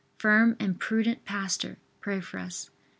firm and prudent pastor, pray for us.